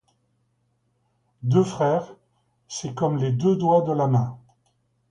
Deux frères, c’est comme les deux doigts de la main.